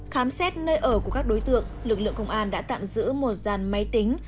khám xét nơi ở của các đối tượng lực lượng công an đã tạm giữ một dàn máy tính